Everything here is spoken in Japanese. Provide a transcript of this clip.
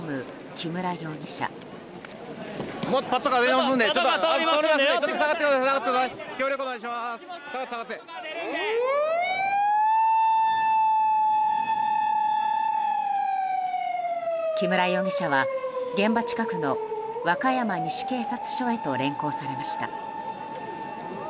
木村容疑者は現場近くの和歌山西警察署へと連行されました。